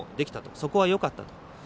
そこはよかったと。